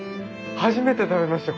初めて食べました